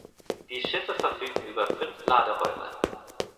Die Schiffe verfügen über fünf Laderäume.